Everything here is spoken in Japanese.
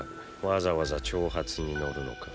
わざわざ挑発に乗るのか？